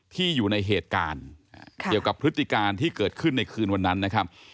ที่อยู่ในเหตุการณ์เกี่ยวกับพฤติการที่เกิดขึ้นในคืนวันนั้นนะครับ